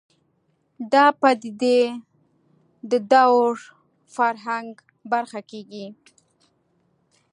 دا پدیدې د دور فرهنګ برخه کېږي